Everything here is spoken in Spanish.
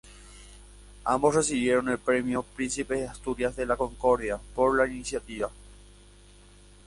Ambos recibieron el premio Príncipe de Asturias de la Concordia por la iniciativa.